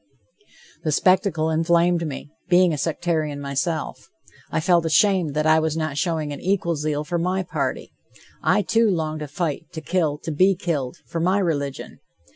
The spectacle inflamed me, being a sectarian myself. I felt ashamed that I was not showing an equal zeal for my party. I, too, longed to fight, to kill, to be killed, for my religion.